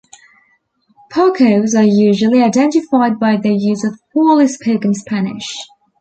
Pochos are usually identified by their use of poorly-spoken Spanish.